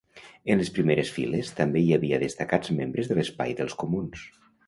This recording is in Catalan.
En les primeres files també hi havia destacats membres de l’espai dels comuns.